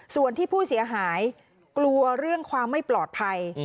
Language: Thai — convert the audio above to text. ส่วนที่ผู้เสียหายกลัวเรื่องความไม่ปลอดภัย